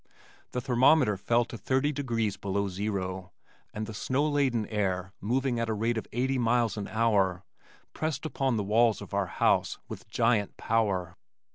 The thermometer fell to thirty degrees below zero and the snow laden air moving at a rate of eighty miles an hour pressed upon the walls of our house with giant power.